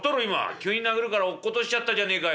「急に殴るから落っことしちゃったじゃねえかよ」。